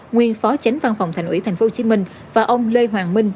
nguyên phó tránh văn phòng thành ủy tp hcm và ông lê hoàng minh